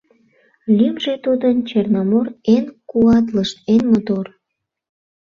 Лӱмжӧ тудын Черномор Эн куатлышт, эн мотор.